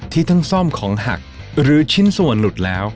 ที่ทั้งซ่อมของหักหรือชิ้นส่วนหลุดแล้ว